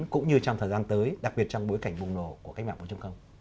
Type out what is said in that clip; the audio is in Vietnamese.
cũng như trong thời gian tới đặc biệt trong bối cảnh bùng nổ của các mạng phòng chống công